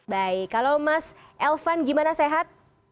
baik kalau mas elvan gimana sehat